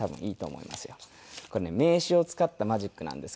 これね名刺を使ったマジックなんですけど。